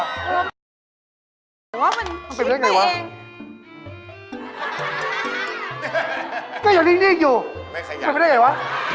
หัวมันชิบไปเองมันเป็นอย่างไรวะ